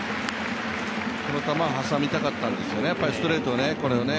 この球挟みたかったんですね、ストレートを、これをね。